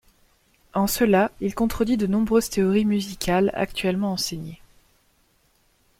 En cela, il contredit de nombreuses théories musicales actuellement enseignées.